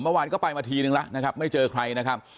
เมื่อวานก็ไปมาทีนึงแล้วนะครับไม่เจอใครนะครับ